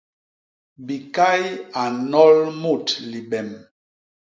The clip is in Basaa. Bikay a nnol mut libem.